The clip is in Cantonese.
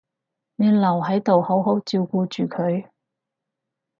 你留喺度好好照顧住佢